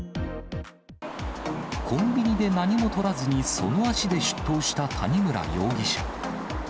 コンビニで何もとらずに、その足で出頭した谷村容疑者。